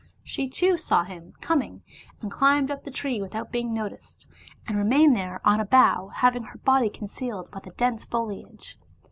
She, too, saw him coming, and climbed up the tree without being noticed, and remained there on a bough, having her body concealed by the dense foliage.